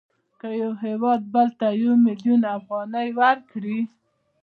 که یو هېواد بل ته یو میلیون افغانۍ ورکړي